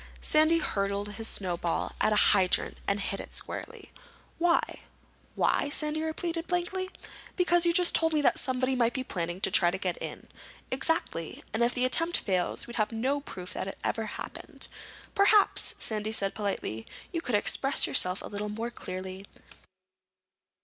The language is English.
Sandy hurled his snowball at a hydrant and hit it squarely. "Why?" "Why?" Sandy repeated blankly. "Because you just told me somebody might be planning to try to get in." "Exactly. And if the attempt fails, we'd have no proof that it ever happened." "Perhaps," Sandy said politely, "you could express yourself a little more clearly.